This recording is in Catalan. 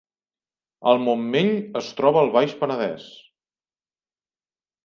El Montmell es troba al Baix Penedès